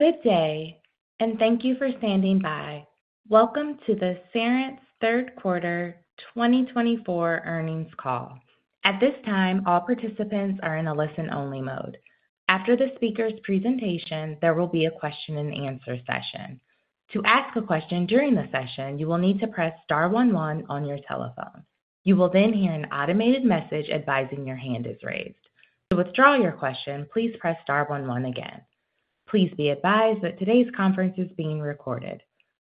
Good day, and thank you for standing by. Welcome to the Cerence Third Quarter 2024 Earnings Call. At this time, all participants are in a listen-only mode. After the speaker's presentation, there will be a question and answer session. To ask a question during the session, you will need to press star one one on your telephone. You will then hear an automated message advising your hand is raised. To withdraw your question, please press star one one again. Please be advised that today's conference is being recorded.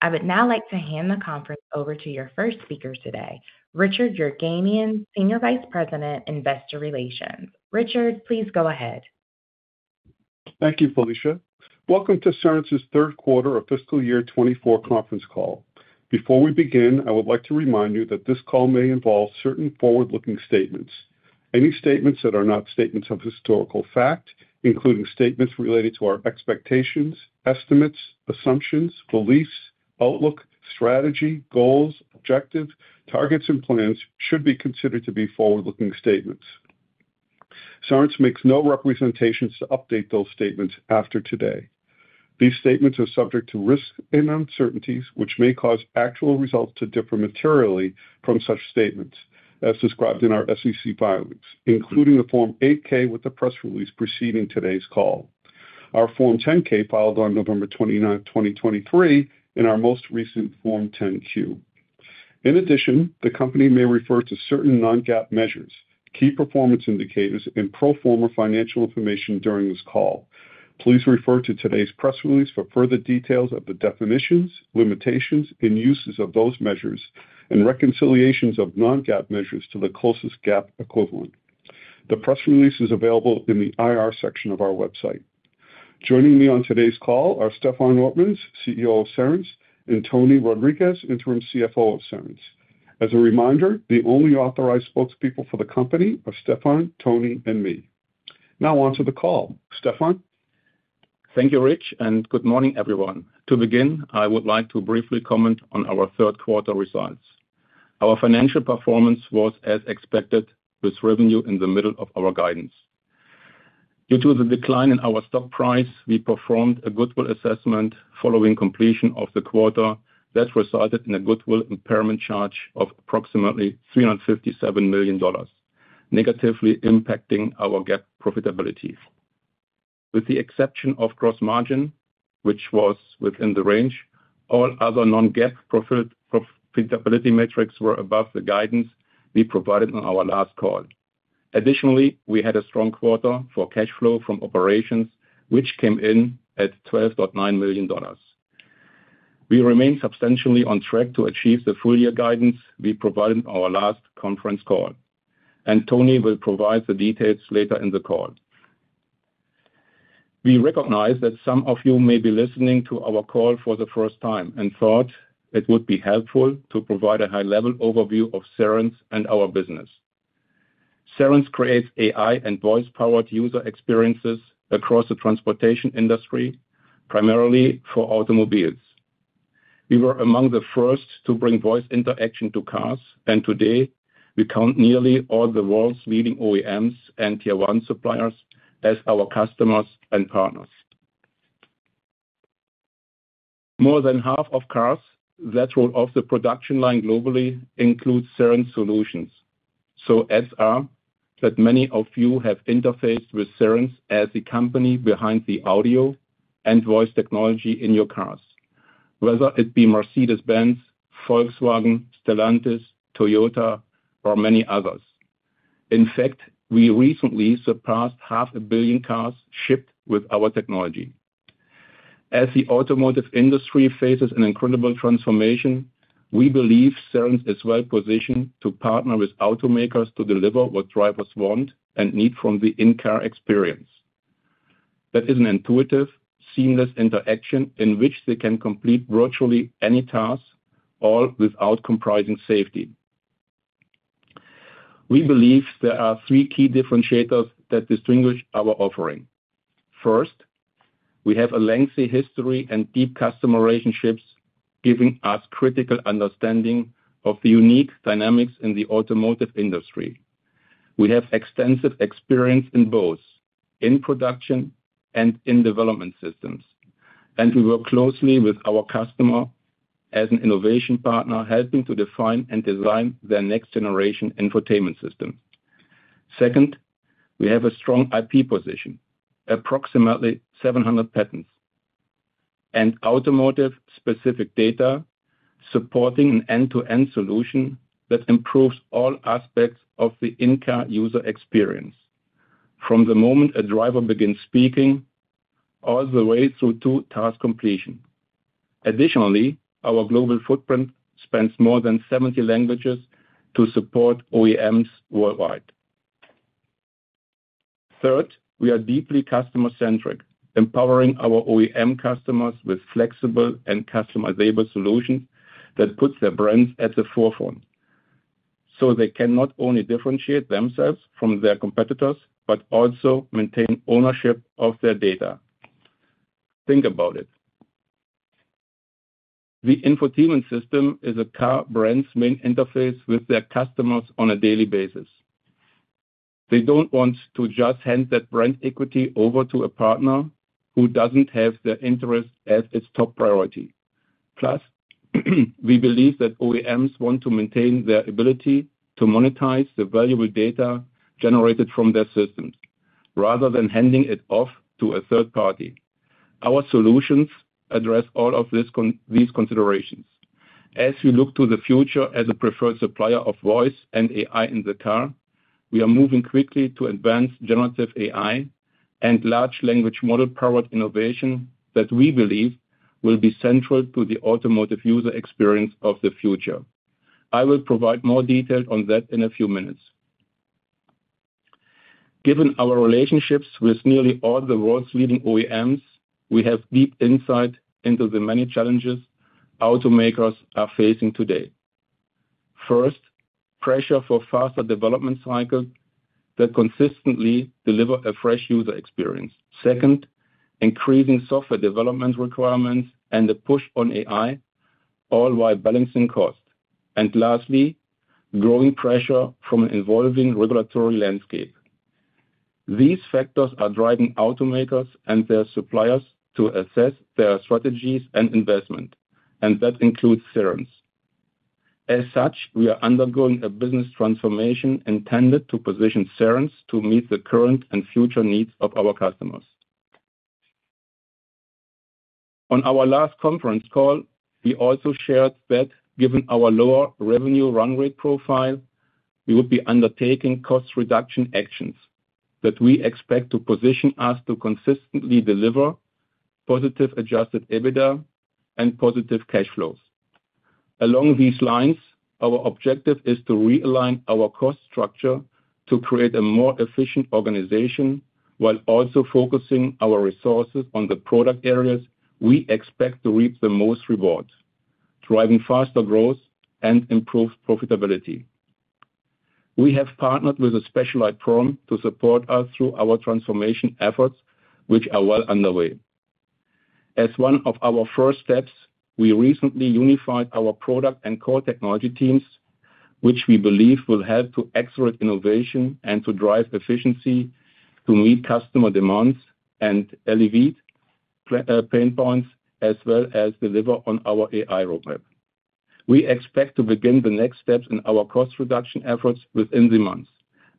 I would now like to hand the conference over to your first speaker today, Richard Yerganian, Senior Vice President, Investor Relations. Richard, please go ahead. Thank you, Felicia. Welcome to Cerence's Third Quarter of Fiscal Year 2024 Conference Call. Before we begin, I would like to remind you that this call may involve certain forward-looking statements. Any statements that are not statements of historical fact, including statements related to our expectations, estimates, assumptions, beliefs, outlook, strategy, goals, objectives, targets, and plans should be considered to be forward-looking statements. Cerence makes no representations to update those statements after today. These statements are subject to risks and uncertainties, which may cause actual results to differ materially from such statements as described in our SEC filings, including the Form 8-K with the press release preceding today's call, our Form 10-K, filed on November 29, 2023, and our most recent Form 10-Q. In addition, the company may refer to certain non-GAAP measures, key performance indicators and pro forma financial information during this call. Please refer to today's press release for further details of the definitions, limitations, and uses of those measures and reconciliations of non-GAAP measures to the closest GAAP equivalent. The press release is available in the IR section of our website. Joining me on today's call are Stefan Ortmanns, CEO of Cerence, and Tony Rodriguez, interim CFO of Cerence. As a reminder, the only authorized spokespeople for the company are Stefan, Tony, and me. Now on to the call. Stefan? Thank you, Rich, and good morning, everyone. To begin, I would like to briefly comment on our third quarter results. Our financial performance was as expected, with revenue in the middle of our guidance. Due to the decline in our stock price, we performed a goodwill assessment following completion of the quarter that resulted in a goodwill impairment charge of approximately $357 million, negatively impacting our GAAP profitability. With the exception of gross margin, which was within the range, all other non-GAAP profit, profitability metrics were above the guidance we provided on our last call. Additionally, we had a strong quarter for cash flow from operations, which came in at $12.9 million. We remain substantially on track to achieve the full year guidance we provided in our last conference call, and Tony will provide the details later in the call. We recognize that some of you may be listening to our call for the first time, and thought it would be helpful to provide a high-level overview of Cerence and our business. Cerence creates AI and voice-powered user experiences across the transportation industry, primarily for automobiles. We were among the first to bring voice interaction to cars, and today we count nearly all the world's leading OEMs and Tier 1 suppliers as our customers and partners. More than half of cars that roll off the production line globally include Cerence solutions. So chances are that many of you have interfaced with Cerence as the company behind the audio and voice technology in your cars, whether it be Mercedes-Benz, Volkswagen, Stellantis, Toyota, or many others. In fact, we recently surpassed 500 million cars shipped with our technology. As the automotive industry faces an incredible transformation, we believe Cerence is well positioned to partner with automakers to deliver what drivers want and need from the in-car experience. That is an intuitive, seamless interaction in which they can complete virtually any task, all without compromising safety. We believe there are three key differentiators that distinguish our offering. First, we have a lengthy history and deep customer relationships, giving us critical understanding of the unique dynamics in the automotive industry. We have extensive experience in both in-production and in-development systems, and we work closely with our customer as an innovation partner, helping to define and design their next-generation infotainment system. Second, we have a strong IP position, approximately 700 patents and automotive-specific data, supporting an end-to-end solution that improves all aspects of the in-car user experience, from the moment a driver begins speaking all the way through to task completion. Additionally, our global footprint spans more than 70 languages to support OEMs worldwide. Third, we are deeply customer-centric, empowering our OEM customers with flexible and customizable solutions that puts their brands at the forefront, so they can not only differentiate themselves from their competitors, but also maintain ownership of their data. Think about it. The infotainment system is a car brand's main interface with their customers on a daily basis. They don't want to just hand that brand equity over to a partner who doesn't have their interest as its top priority. Plus, we believe that OEMs want to maintain their ability to monetize the valuable data generated from their systems, rather than handing it off to a third party. Our solutions address all of this, these considerations. As we look to the future as a preferred supplier of voice and AI in the car, we are moving quickly to advance generative AI and large language model-powered innovation that we believe will be central to the automotive user experience of the future. I will provide more detail on that in a few minutes. Given our relationships with nearly all the world's leading OEMs, we have deep insight into the many challenges automakers are facing today. First, pressure for faster development cycles that consistently deliver a fresh user experience. Second, increasing software development requirements and the push on AI, all while balancing cost. And lastly, growing pressure from an evolving regulatory landscape. These factors are driving automakers and their suppliers to assess their strategies and investment, and that includes Cerence. As such, we are undergoing a business transformation intended to position Cerence to meet the current and future needs of our customers. On our last conference call, we also shared that given our lower revenue run rate profile, we would be undertaking cost reduction actions that we expect to position us to consistently deliver positive adjusted EBITDA and positive cash flows. Along these lines, our objective is to realign our cost structure to create a more efficient organization, while also focusing our resources on the product areas we expect to reap the most rewards, driving faster growth and improved profitability. We have partnered with a specialized firm to support us through our transformation efforts, which are well underway. As one of our first steps, we recently unified our product and core technology teams, which we believe will help to accelerate innovation and to drive efficiency to meet customer demands and alleviate pain points, as well as deliver on our AI roadmap. We expect to begin the next steps in our cost reduction efforts within the month.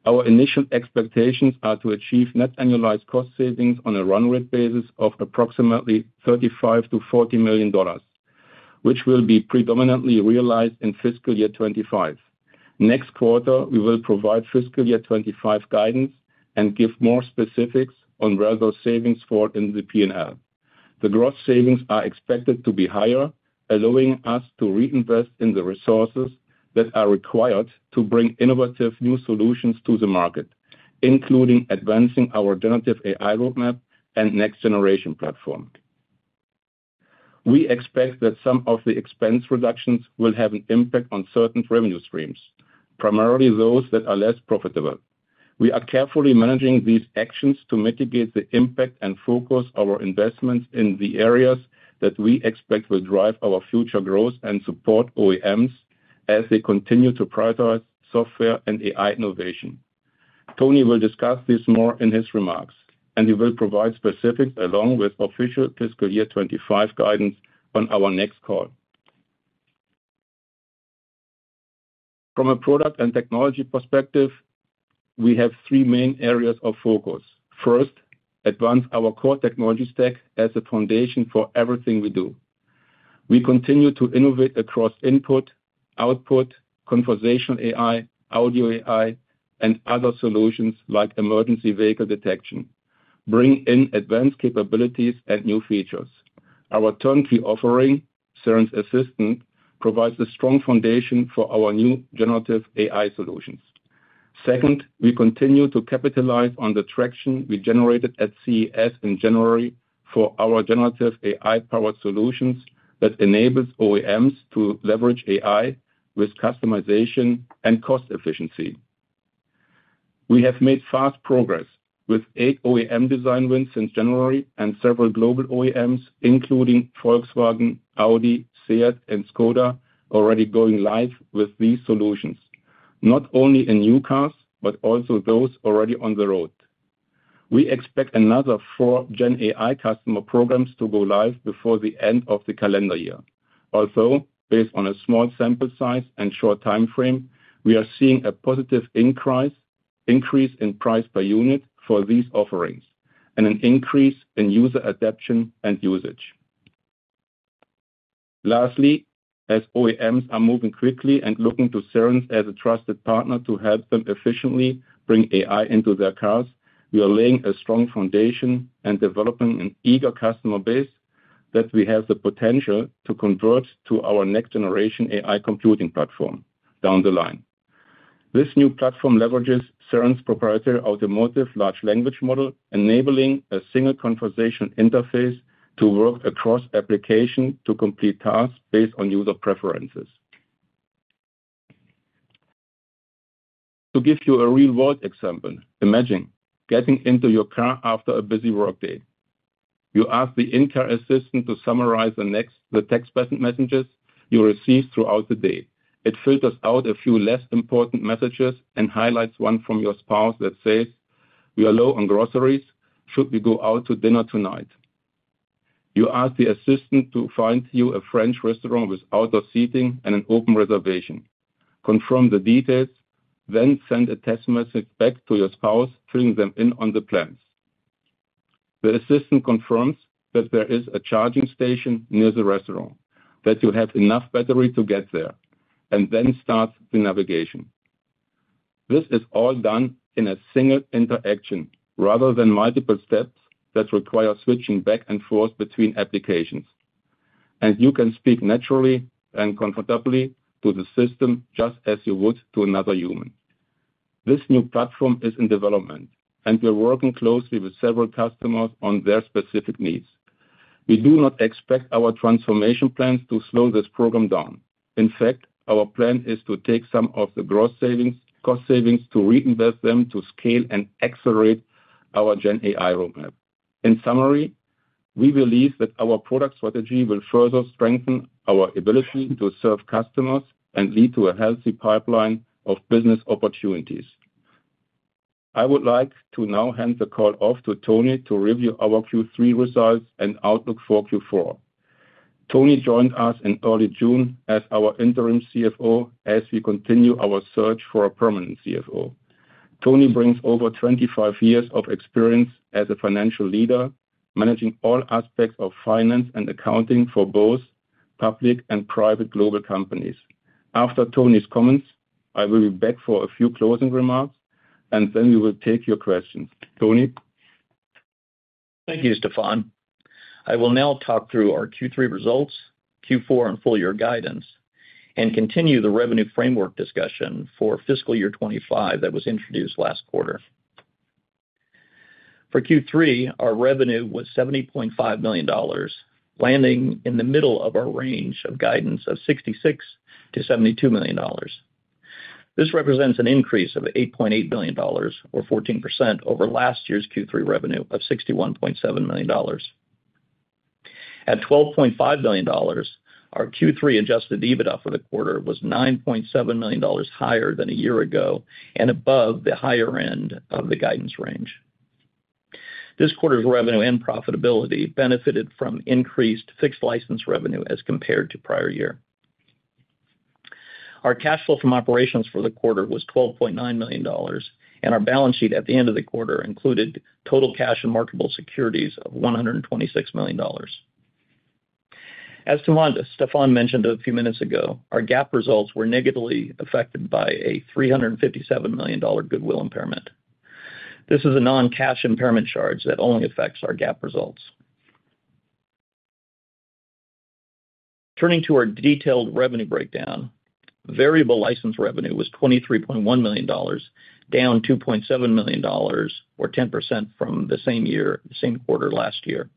Our initial expectations are to achieve net annualized cost savings on a run rate basis of approximately $35 million-$40 million, which will be predominantly realized in fiscal year 2025. Next quarter, we will provide fiscal year 2025 guidance and give more specifics on where those savings fall in the P&L. The gross savings are expected to be higher, allowing us to reinvest in the resources that are required to bring innovative new solutions to the market, including advancing our generative AI roadmap and next-generation platform. We expect that some of the expense reductions will have an impact on certain revenue streams, primarily those that are less profitable. We are carefully managing these actions to mitigate the impact and focus our investments in the areas that we expect will drive our future growth and support OEMs as they continue to prioritize software and AI innovation. Tony will discuss this more in his remarks, and he will provide specifics along with official fiscal year 2025 guidance on our next call. From a product and technology perspective, we have three main areas of focus. First, advance our core technology stack as a foundation for everything we do. We continue to innovate across input, output, conversational AI, audio AI, and other solutions like emergency vehicle detection, bring in advanced capabilities and new features. Our turnkey offering, Cerence Assistant, provides a strong foundation for our new generative AI solutions. Second, we continue to capitalize on the traction we generated at CES in January for our generative AI-powered solutions that enables OEMs to leverage AI with customization and cost efficiency. We have made fast progress with eight OEM design wins since January and several global OEMs, including Volkswagen, Audi, SEAT, and Skoda, already going live with these solutions, not only in new cars, but also those already on the road. We expect another four Gen AI customer programs to go live before the end of the calendar year. Also, based on a small sample size and short time frame, we are seeing a positive increase, increase in price per unit for these offerings and an increase in user adoption and usage. Lastly, as OEMs are moving quickly and looking to Cerence as a trusted partner to help them efficiently bring AI into their cars, we are laying a strong foundation and developing an eager customer base that we have the potential to convert to our next-generation AI computing platform down the line. This new platform leverages Cerence proprietary automotive large language model, enabling a single conversation interface to work across application to complete tasks based on user preferences. To give you a real-world example, imagine getting into your car after a busy workday. You ask the in-car assistant to summarize the text messages you received throughout the day. It filters out a few less important messages and highlights one from your spouse that says, "We are low on groceries. Should we go out to dinner tonight?" You ask the assistant to find you a French restaurant with outdoor seating and an open reservation, confirm the details, then send a text message back to your spouse, filling them in on the plans. The assistant confirms that there is a charging station near the restaurant, that you have enough battery to get there, and then starts the navigation. This is all done in a single interaction rather than multiple steps that require switching back and forth between applications, and you can speak naturally and comfortably to the system, just as you would to another human. This new platform is in development, and we're working closely with several customers on their specific needs. We do not expect our transformation plans to slow this program down. In fact, our plan is to take some of the gross savings, cost savings to reinvest them to scale and accelerate our Gen AI roadmap. In summary, we believe that our product strategy will further strengthen our ability to serve customers and lead to a healthy pipeline of business opportunities. I would like to now hand the call off to Tony to review our Q3 results and outlook for Q4. Tony joined us in early June as our Interim CFO, as we continue our search for a permanent CFO. Tony brings over 25 years of experience as a financial leader, managing all aspects of finance and accounting for both public and private global companies. After Tony's comments, I will be back for a few closing remarks, and then we will take your questions. Tony? Thank you, Stefan. I will now talk through our Q3 results, Q4, and full year guidance, and continue the revenue framework discussion for fiscal year 2025 that was introduced last quarter. For Q3, our revenue was $70.5 million, landing in the middle of our range of guidance of $66 million-$72 million. This represents an increase of $8.8 million, or 14%, over last year's Q3 revenue of $61.7 million. At $12.5 million, our Q3 adjusted EBITDA for the quarter was $9.7 million higher than a year ago and above the higher end of the guidance range. This quarter's revenue and profitability benefited from increased fixed license revenue as compared to prior year. Our cash flow from operations for the quarter was $12.9 million, and our balance sheet at the end of the quarter included total cash and marketable securities of $126 million. As to margin, Stefan mentioned a few minutes ago, our GAAP results were negatively affected by a $357 million goodwill impairment. This is a non-cash impairment charge that only affects our GAAP results. Turning to our detailed revenue breakdown, variable license revenue was $23.1 million, down $2.7 million, or 10%, from the same quarter last year.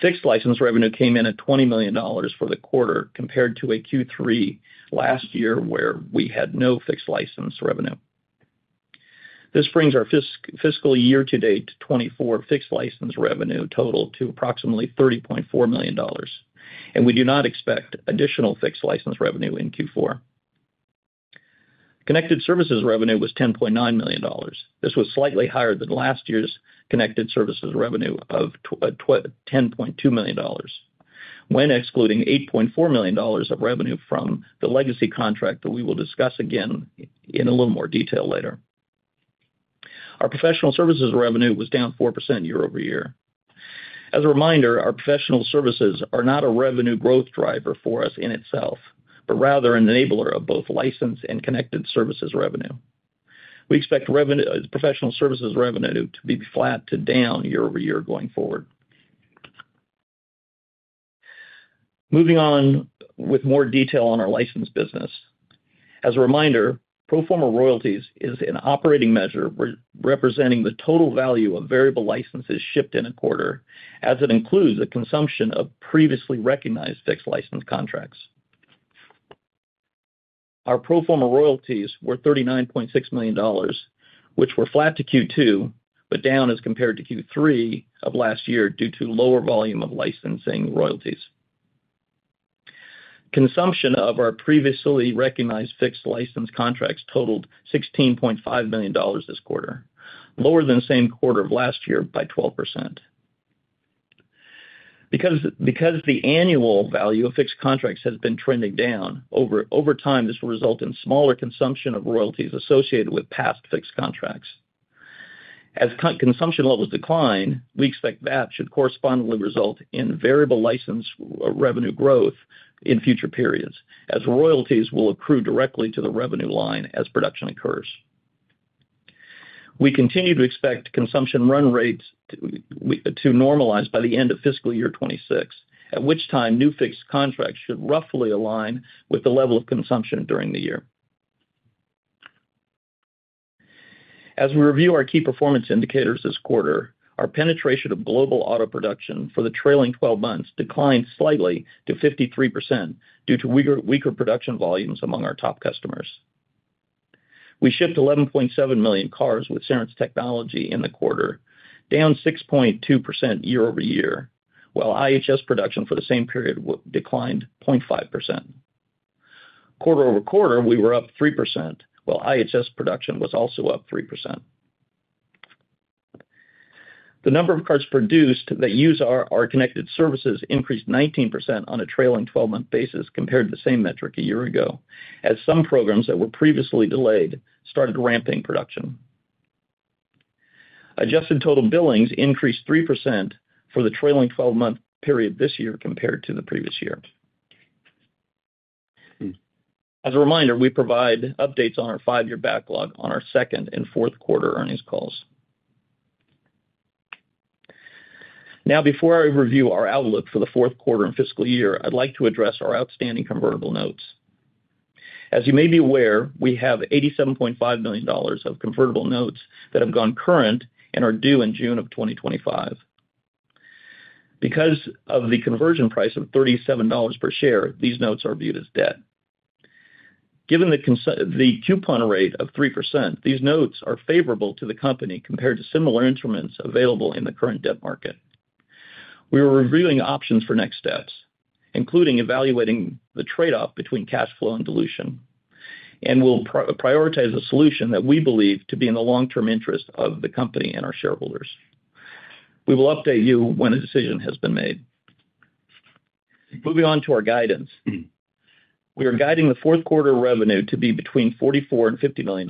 Fixed license revenue came in at $20 million for the quarter, compared to a Q3 last year, where we had no fixed license revenue. This brings our fiscal year to date to 24 fixed license revenue total to approximately $30.4 million, and we do not expect additional fixed license revenue in Q4. Connected services revenue was $10.9 million. This was slightly higher than last year's connected services revenue of $10.2 million, when excluding $8.4 million of revenue from the legacy contract that we will discuss again in a little more detail later. Our professional services revenue was down 4% year-over-year. As a reminder, our professional services are not a revenue growth driver for us in itself, but rather an enabler of both licensed and connected services revenue. We expect professional services revenue to be flat to down year-over-year, going forward. Moving on with more detail on our license business. As a reminder, pro forma royalties is an operating measure representing the total value of variable licenses shipped in a quarter, as it includes the consumption of previously recognized fixed license contracts. Our pro forma royalties were $39.6 million, which were flat to Q2, but down as compared to Q3 of last year, due to lower volume of licensing royalties. Consumption of our previously recognized fixed license contracts totaled $16.5 million this quarter, lower than the same quarter of last year by 12%. Because the annual value of fixed contracts has been trending down over time, this will result in smaller consumption of royalties associated with past fixed contracts. As consumption levels decline, we expect that should correspondingly result in variable license revenue growth in future periods, as royalties will accrue directly to the revenue line as production occurs. We continue to expect consumption run rates to normalize by the end of fiscal year 2026, at which time new fixed contracts should roughly align with the level of consumption during the year. As we review our key performance indicators this quarter, our penetration of global auto production for the trailing 12 months declined slightly to 53% due to weaker production volumes among our top customers. We shipped 11.7 million cars with Cerence technology in the quarter, down 6.2% year-over-year, while IHS production for the same period declined 0.5%. Quarter-over-quarter, we were up 3%, while IHS production was also up 3%. The number of cars produced that use our connected services increased 19% on a trailing 12-month basis compared to the same metric a year ago, as some programs that were previously delayed started ramping production. Adjusted total billings increased 3% for the trailing 12-month period this year compared to the previous year. As a reminder, we provide updates on our five-year backlog on our second and fourth quarter earnings calls. Now, before I review our outlook for the fourth quarter and fiscal year, I'd like to address our outstanding convertible notes. As you may be aware, we have $87.5 million of convertible notes that have gone current and are due in June of 2025. Because of the conversion price of $37 per share, these notes are viewed as debt. Given the coupon rate of 3%, these notes are favorable to the company compared to similar instruments available in the current debt market. We are reviewing options for next steps, including evaluating the trade-off between cash flow and dilution, and we'll prioritize a solution that we believe to be in the long-term interest of the company and our shareholders. We will update you when a decision has been made. Moving on to our guidance. We are guiding the fourth quarter revenue to be between $44 million and $50 million.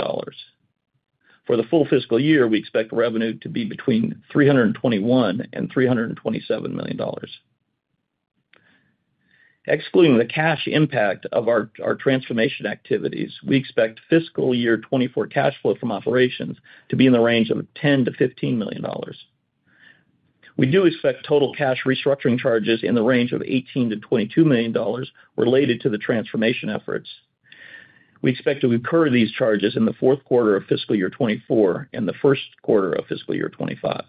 For the full fiscal year, we expect revenue to be between $321 million and $327 million. Excluding the cash impact of our transformation activities, we expect fiscal year 2024 cash flow from operations to be in the range of $10 million-$15 million. We do expect total cash restructuring charges in the range of $18 million-$22 million related to the transformation efforts. We expect to incur these charges in the fourth quarter of fiscal year 2024 and the first quarter of fiscal year 2025.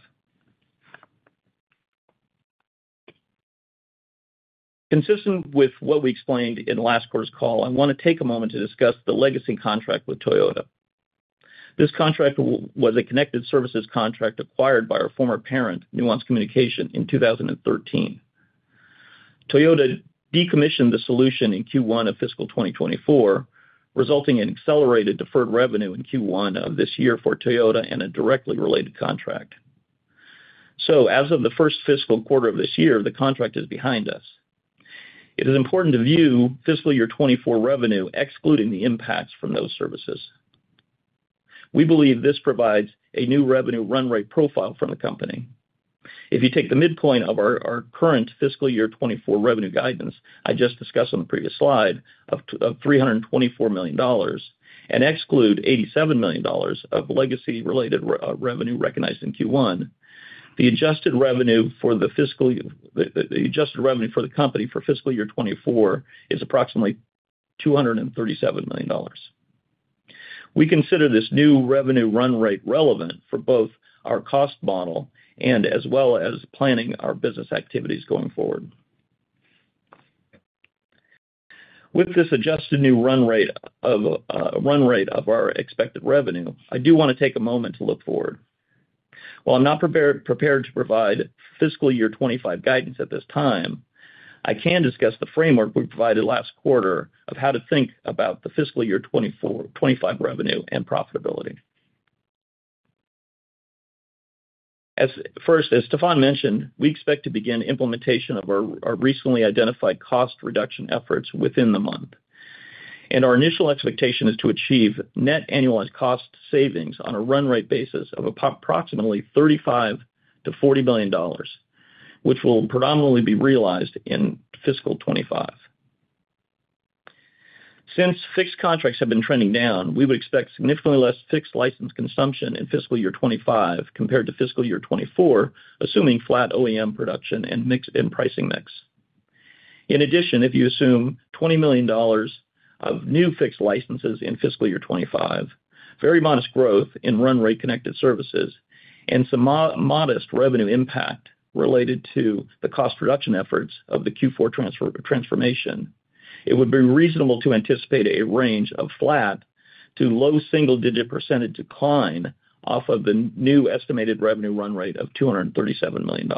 Consistent with what we explained in last quarter's call, I want to take a moment to discuss the legacy contract with Toyota. This contract was a connected services contract acquired by our former parent, Nuance Communications, in 2013. Toyota decommissioned the solution in Q1 of fiscal 2024, resulting in accelerated deferred revenue in Q1 of this year for Toyota and a directly related contract. So as of the first fiscal quarter of this year, the contract is behind us. It is important to view fiscal year 2024 revenue, excluding the impacts from those services. We believe this provides a new revenue run rate profile for the company. If you take the midpoint of our current fiscal year 2024 revenue guidance I just discussed on the previous slide, of $324 million and exclude $87 million of legacy-related revenue recognized in Q1, the adjusted revenue for the fiscal. The adjusted revenue for the company for fiscal year 2024 is approximately $237 million. We consider this new revenue run rate relevant for both our cost model and as well as planning our business activities going forward. With this adjusted new run rate of run rate of our expected revenue, I do want to take a moment to look forward. While I'm not prepared to provide fiscal year 2025 guidance at this time, I can discuss the framework we provided last quarter of how to think about the fiscal year 2024-2025 revenue and profitability. As first, as Stefan mentioned, we expect to begin implementation of our recently identified cost reduction efforts within the month, and our initial expectation is to achieve net annualized cost savings on a run rate basis of approximately $35 million-$40 million, which will predominantly be realized in fiscal 2025. Since fixed contracts have been trending down, we would expect significantly less fixed license consumption in fiscal year 2025 compared to fiscal year 2024, assuming flat OEM production and mix and pricing mix. In addition, if you assume $20 million of new fixed licenses in fiscal year 2025, very modest growth in run rate connected services, and some modest revenue impact related to the cost reduction efforts of the Q4 transfer, transformation, it would be reasonable to anticipate a range of flat to low single-digit percentage decline off of the new estimated revenue run rate of $237 million.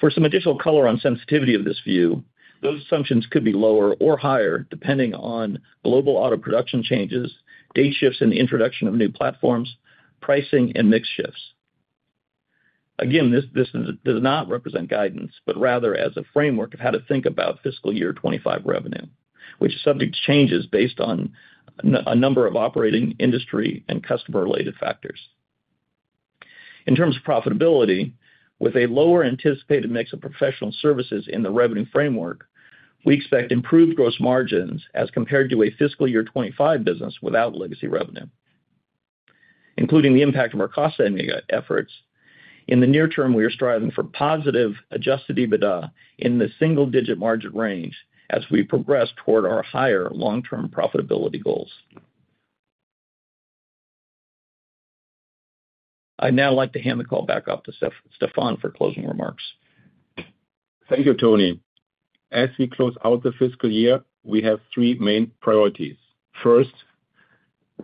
For some additional color on sensitivity of this view, those assumptions could be lower or higher, depending on global auto production changes, day shifts in the introduction of new platforms, pricing, and mix shifts. Again, this, this does not represent guidance, but rather as a framework of how to think about fiscal year 2025 revenue, which is subject to changes based on a number of operating, industry, and customer-related factors. In terms of profitability, with a lower anticipated mix of professional services in the revenue framework, we expect improved gross margins as compared to a fiscal year 2025 business without legacy revenue, including the impact of our cost-saving efforts. In the near term, we are striving for positive adjusted EBITDA in the single-digit margin range as we progress toward our higher long-term profitability goals. I'd now like to hand the call back off to Stefan for closing remarks. Thank you, Tony. As we close out the fiscal year, we have three main priorities. First,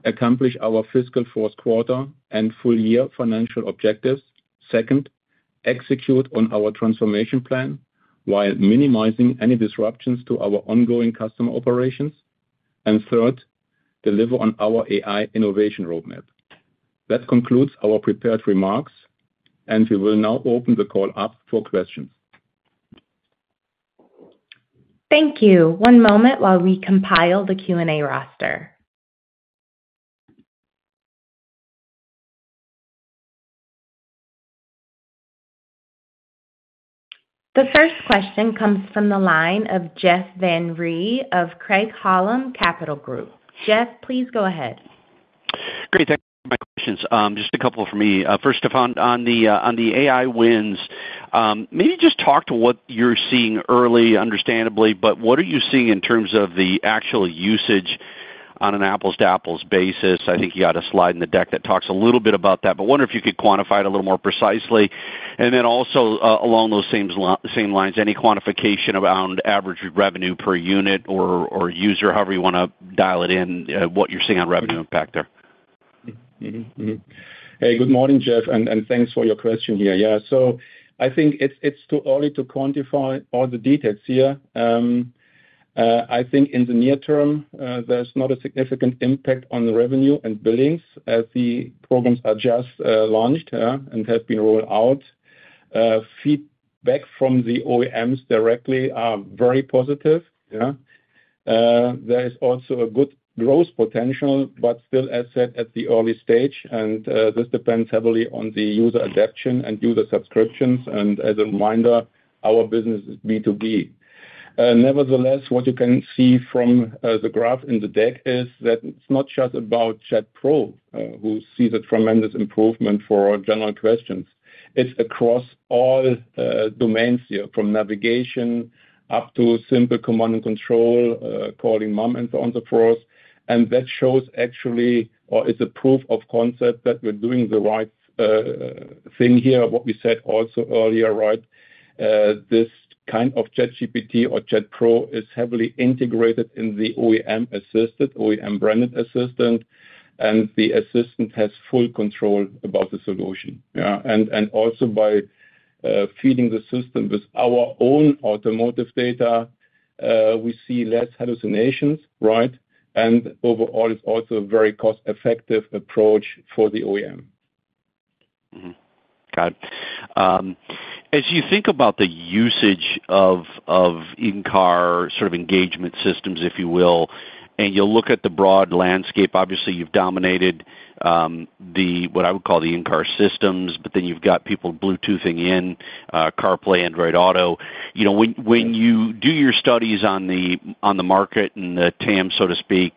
accomplish our fiscal fourth quarter and full year financial objectives. Second, execute on our transformation plan while minimizing any disruptions to our ongoing customer operations. And third, deliver on our AI innovation roadmap. That concludes our prepared remarks, and we will now open the call up for questions. Thank you. One moment while we compile the Q&A roster. The first question comes from the line of Jeff Van Rhee of Craig-Hallum Capital Group. Jeff, please go ahead. Great. Thank you for my questions. Just a couple for me. First, Stefan, on the AI wins, maybe just talk to what you're seeing early, understandably, but what are you seeing in terms of the actual usage on an apples-to-apples basis? I think you had a slide in the deck that talks a little bit about that, but I wonder if you could quantify it a little more precisely. And then also, along those same lines, any quantification around average revenue per unit or user, however you wanna dial it in, what you're seeing on revenue impact there? Mm-hmm. Mm-hmm. Hey, good morning, Jeff, and thanks for your question here. Yeah, so I think it's too early to quantify all the details here. I think in the near term, there's not a significant impact on the revenue and billings as the programs are just launched, yeah, and have been rolled out. Feedback from the OEMs directly are very positive, yeah. There is also a good growth potential, but still, as said, at the early stage, and this depends heavily on the user adoption and user subscriptions, and as a reminder, our business is B2B. Nevertheless, what you can see from the graph in the deck is that it's not just about Chat Pro, we see the tremendous improvement for our general questions. It's across all domains here, from navigation up to simple command and control, calling mom, and so on, so forth. And that shows actually, or is a proof of concept, that we're doing the right thing here, what we said also earlier, right? This kind of ChatGPT or Chat Pro is heavily integrated in the OEM assistant, OEM-branded assistant, and the assistant has full control about the solution, yeah. And, and also by feeding the system with our own automotive data, we see less hallucinations, right? And overall, it's also a very cost-effective approach for the OEM. Mm-hmm. Got it. As you think about the usage of in-car sort of engagement systems, if you will, and you look at the broad landscape, obviously, you've dominated what I would call the in-car systems, but then you've got people Bluetoothing in CarPlay, Android Auto. You know, when you do your studies on the market and the TAM, so to speak,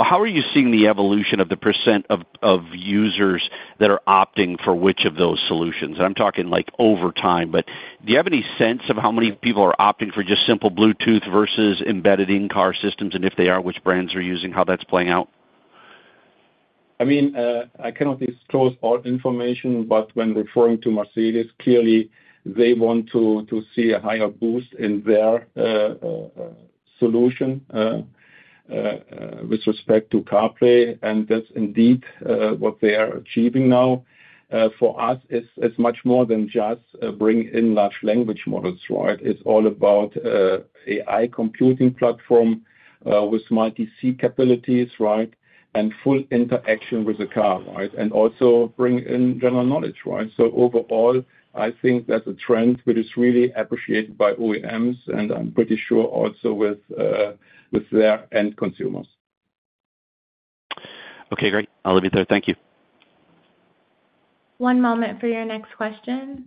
how are you seeing the evolution of the percent of users that are opting for which of those solutions? And I'm talking, like, over time. But do you have any sense of how many people are opting for just simple Bluetooth versus embedded in-car systems? And if they are, which brands are using, how that's playing out? I mean, I cannot disclose all information, but when referring to Mercedes, clearly they want to see a higher boost in their solution with respect to CarPlay, and that's indeed what they are achieving now. For us, it's much more than just bringing in large language models, right? It's all about AI computing platform with smart edge capabilities, right? And full interaction with the car, right? And also bringing in general knowledge, right? So overall, I think that's a trend which is really appreciated by OEMs, and I'm pretty sure also with their end consumers. Okay, great. I'll leave it there. Thank you. One moment for your next question.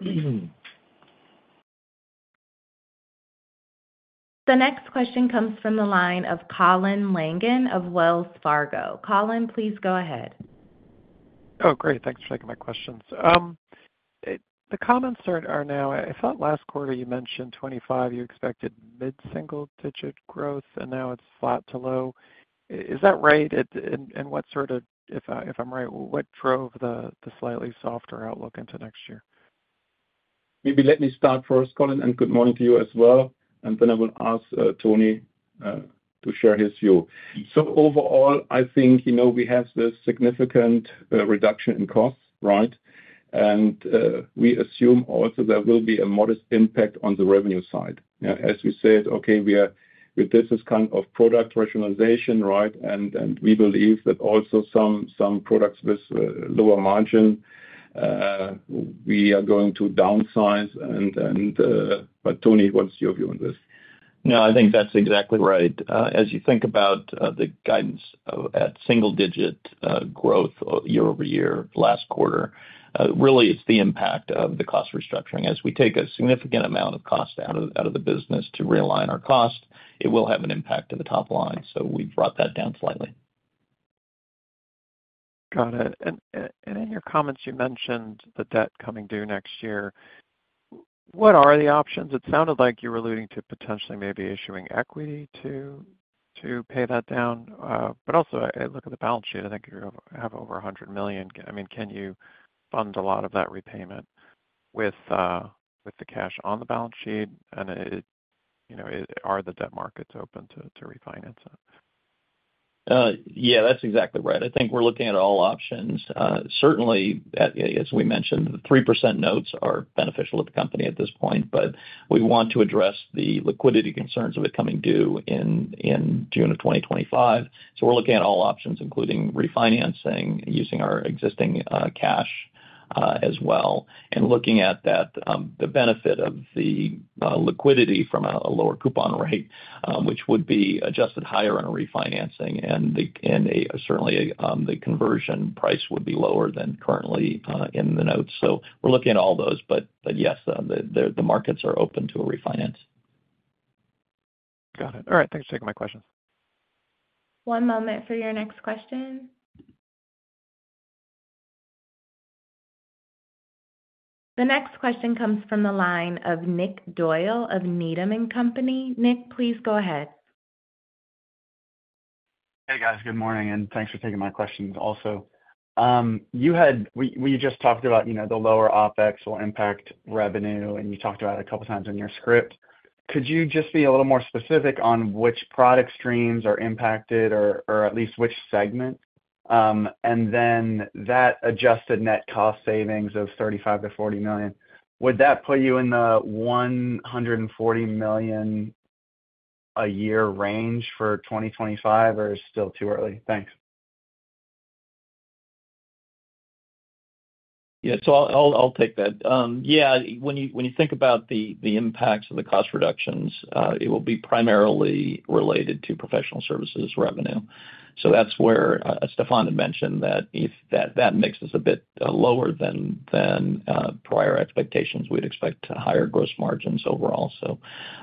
The next question comes from the line of Colin Langan of Wells Fargo. Colin, please go ahead. Oh, great, thanks for taking my questions. The comments are now. I thought last quarter you mentioned 2025, you expected mid-single-digit growth, and now it's flat to low. Is that right? And what sort of if I'm right, what drove the slightly softer outlook into next year? Maybe let me start first, Colin, and good morning to you as well, and then I will ask, Tony, to share his view. So overall, I think, you know, we have this significant reduction in costs, right? And we assume also there will be a modest impact on the revenue side. As we said, okay, with this as kind of product rationalization, right? And we believe that also some products with lower margin we are going to downsize and but Tony, what's your view on this? No, I think that's exactly right. As you think about the guidance at single-digit growth year-over-year, last quarter, really it's the impact of the cost restructuring. As we take a significant amount of cost out of the business to realign our cost, it will have an impact to the top line, so we've brought that down slightly. Got it. And in your comments, you mentioned the debt coming due next year. What are the options? It sounded like you were alluding to potentially maybe issuing equity to, to pay that down. But also, I look at the balance sheet, I think you have over $100 million. I mean, can you fund a lot of that repayment with, with the cash on the balance sheet? And, you know, are the debt markets open to, to refinance it? Yeah, that's exactly right. I think we're looking at all options. Certainly, as we mentioned, the 3% notes are beneficial to the company at this point, but we want to address the liquidity concerns of it coming due in June of 2025. So we're looking at all options, including refinancing, using our existing cash as well, and looking at that, the benefit of the liquidity from a lower coupon rate, which would be adjusted higher on a refinancing and certainly the conversion price would be lower than currently in the notes. So we're looking at all those. But yes, the markets are open to a refinance. Got it. All right. Thanks for taking my questions. One moment for your next question. The next question comes from the line of Nick Doyle of Needham & Company. Nick, please go ahead. Hey, guys. Good morning, and thanks for taking my questions also. We just talked about, you know, the lower OpEx will impact revenue, and you talked about it a couple of times in your script. Could you just be a little more specific on which product streams are impacted or at least which segment? And then that adjusted net cost savings of $35 million-$40 million, would that put you in the $140 million a year range for 2025, or it's still too early? Thanks. Yeah, so I'll, I'll, I'll take that. Yeah, when you, when you think about the, the impacts of the cost reductions, it will be primarily related to professional services revenue. So that's where Stefan had mentioned that if that, that makes us a bit lower than, than prior expectations, we'd expect higher gross margins overall. So,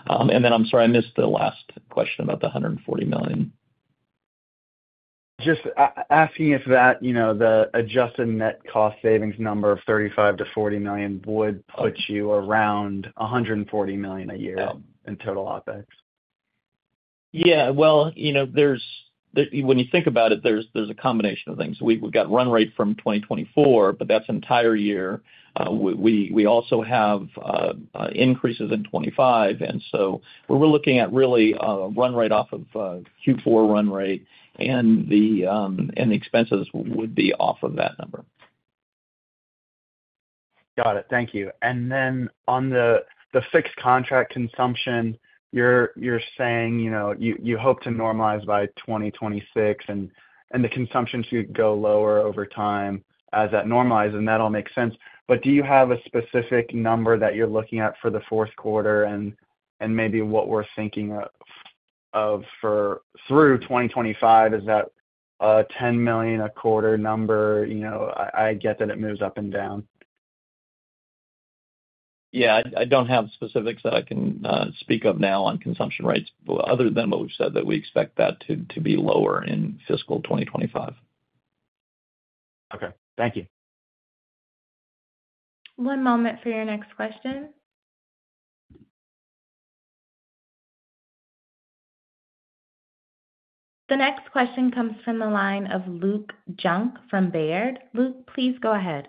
and then, I'm sorry, I missed the last question about the $140 million. Just asking if that, you know, the adjusted net cost savings number of $35 million-$40 million would put you around $140 million a year in total OpEx? Yeah. Well, you know, when you think about it, there's a combination of things. We've got run rate from 2024, but that's an entire year. We also have increases in 2025, and so what we're looking at really, run rate off of Q4 run rate, and the expenses would be off of that number. Got it. Thank you. And then on the fixed contract consumption, you're saying, you know, you hope to normalize by 2026, and the consumption should go lower over time as that normalizes, and that all makes sense. But do you have a specific number that you're looking at for the fourth quarter, and maybe what we're thinking of for through 2025? Is that a $10 million a quarter number? You know, I get that it moves up and down. Yeah, I, I don't have specifics that I can speak of now on consumption rates, other than what we've said, that we expect that to be lower in fiscal 2025. Okay. Thank you. One moment for your next question. The next question comes from the line of Luke Junk from Baird. Luke, please go ahead.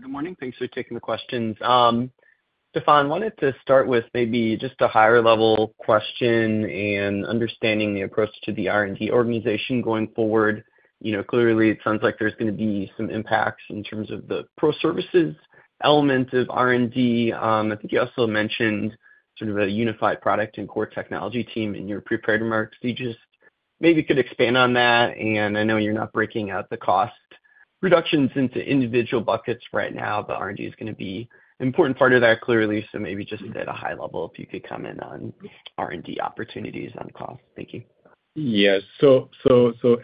Good morning. Thanks for taking the questions. Stefan, wanted to start with maybe just a higher-level question and understanding the approach to the R&D organization going forward. You know, clearly, it sounds like there's gonna be some impacts in terms of the pro services elements of R&D. I think you also mentioned sort of a unified product and core technology team in your prepared remarks. So you just maybe could expand on that. And I know you're not breaking out the cost reductions into individual buckets right now, but R&D is gonna be an important part of that, clearly. So maybe just at a high level, if you could comment on R&D opportunities on cost. Thank you. Yes. So,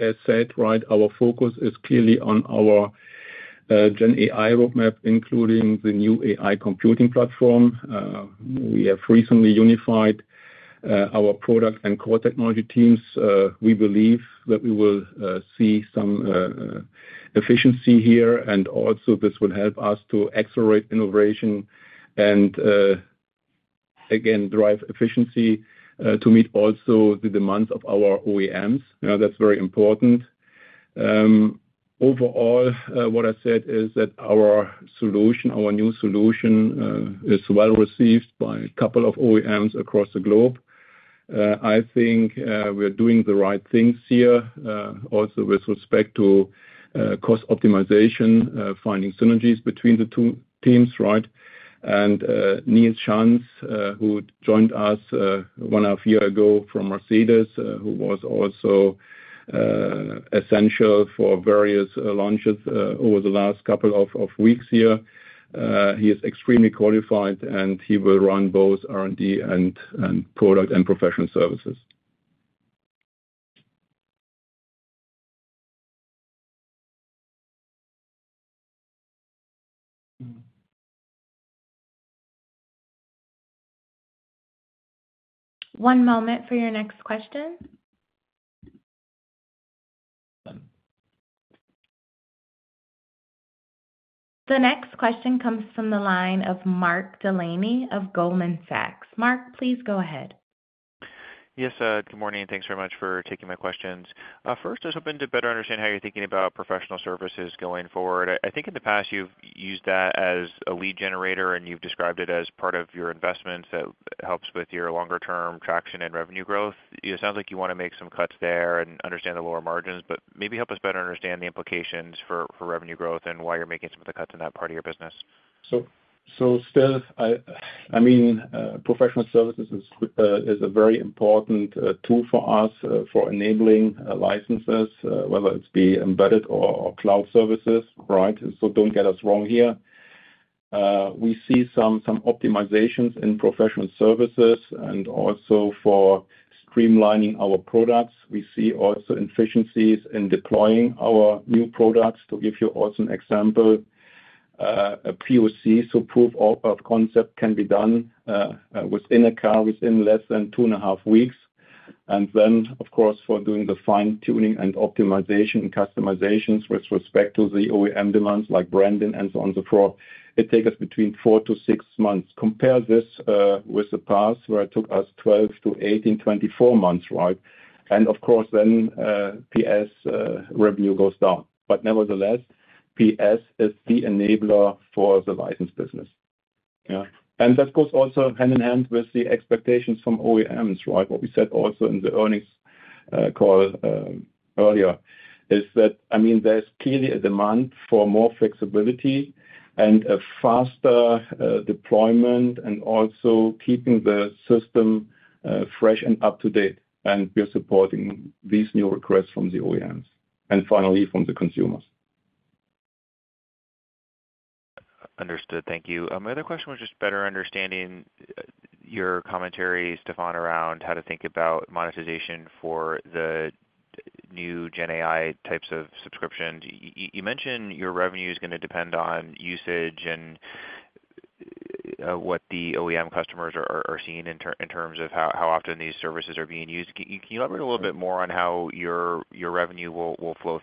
as said, right, our focus is clearly on our Gen AI roadmap, including the new AI computing platform. We have recently unified our product and core technology teams. We believe that we will see some efficiency here, and also this will help us to accelerate innovation and again drive efficiency to meet also the demands of our OEMs. Now, that's very important. Overall, what I said is that our solution, our new solution, is well received by a couple of OEMs across the globe. I think we are doing the right things here, also with respect to cost optimization, finding synergies between the two teams, right? Nils Schanz, who joined us one half year ago from Mercedes, who was also essential for various launches over the last couple of weeks here. He is extremely qualified, and he will run both R&D and product and professional services. One moment for your next question. The next question comes from the line of Mark Delaney of Goldman Sachs. Mark, please go ahead. Yes, good morning, and thanks very much for taking my questions. First, I was hoping to better understand how you're thinking about professional services going forward. I, I think in the past, you've used that as a lead generator, and you've described it as part of your investment, so it helps with your longer-term traction and revenue growth. It sounds like you want to make some cuts there and understand the lower margins, but maybe help us better understand the implications for revenue growth and why you're making some of the cuts in that part of your business. So still, I mean, professional services is a very important tool for us for enabling licenses, whether it's embedded or cloud services, right? So don't get us wrong here. We see some optimizations in professional services and also for streamlining our products. We see also efficiencies in deploying our new products. To give you also an example, a POC, so proof of concept, can be done within a car within less than 2.5 weeks. And then, of course, for doing the fine-tuning and optimization, customizations with respect to the OEM demands, like branding and so on the floor, it take us between 4-6 months. Compare this with the past, where it took us 12-18, 24 months, right? Of course, then, PS revenue goes down. But nevertheless, PS is the enabler for the license business. Yeah. And that goes also hand in hand with the expectations from OEMs, right? What we said also in the earnings call earlier is that, I mean, there's clearly a demand for more flexibility and a faster deployment, and also keeping the system fresh and up to date, and we are supporting these new requests from the OEMs, and finally, from the consumers. Understood. Thank you. My other question was just better understanding your commentary, Stefan, around how to think about monetization for the new Gen AI types of subscriptions. You mentioned your revenue is gonna depend on usage and what the OEM customers are seeing in terms of how often these services are being used. Can you elaborate a little bit more on how your revenue will flow through?